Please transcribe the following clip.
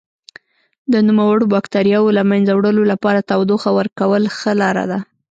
د نوموړو بکټریاوو له منځه وړلو لپاره تودوخه ورکول ښه لاره ده.